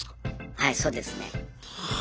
はいそうですね。はあ！